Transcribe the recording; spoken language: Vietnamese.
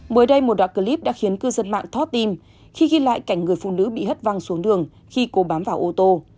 mới đây một đoạn clip đã khiến cư dân mạng thót tim khi ghi lại cảnh người phụ nữ bị hất văng xuống đường khi cô bám vào ô tô